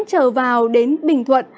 trở vào đến bình thuận